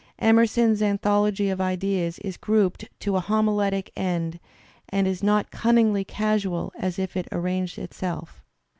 Emerson's anthology of ideas is grouped to a homiletic ^^ end and is not cunningly casual as if it arranged itself.